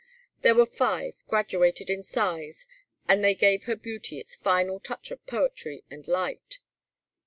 There were five, graduated in size, and they gave her beauty its final touch of poetry and light.